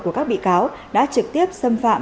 của các bị cáo đã trực tiếp xâm phạm